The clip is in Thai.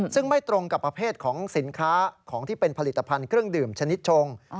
ซึ่งไม่ตรงกับประเภทของสินค้าของที่เป็นผลิตภัณฑ์เครื่องดื่มชนิดชง